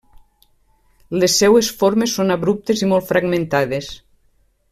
Les seues formes són abruptes i molt fragmentades.